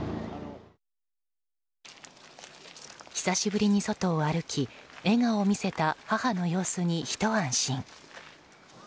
久しぶりに外を歩き笑顔を見せた母の様子にひと安心。